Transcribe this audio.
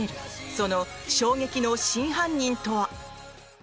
その衝撃の真犯人とは？